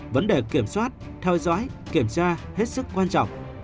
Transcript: vấn đề kiểm soát theo dõi kiểm tra hết sức quan trọng